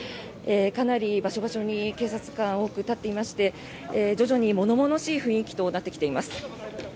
かなり場所場所に警察官が多く立っていまして徐々に物々しい雰囲気となってきています。